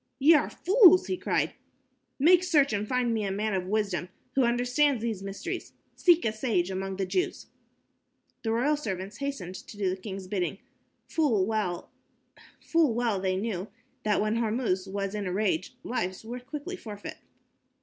"Ye are fools," he cried. "Make search and find me a man of wisdom who understands these mysteries. Seek a sage among the Jews." The royal servants hastened to do the king's bidding. Full well they knew that when Hormuz was in a rage, lives were quickly forfeit.